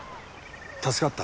助かった。